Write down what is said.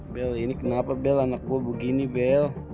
bel ini kenapa bel anak gue begini bel